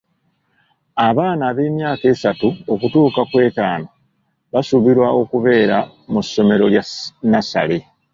Abaana ab'emyaka esatu okutuuka ku etaano basuubirwa okubeera mu ssomero lya nassale.